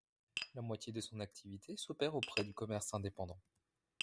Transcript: La moitié de son activité s'opére auprès du commerce indépendant.